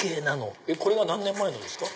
これは何年前のですか？